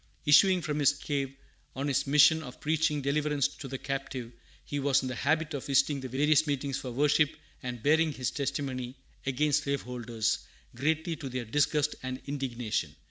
Issuing from his cave, on his mission of preaching "deliverance to the captive," he was in the habit of visiting the various meetings for worship and bearing his testimony against slaveholders, greatly to their disgust and indignation.